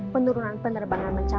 penurunan penerbangan global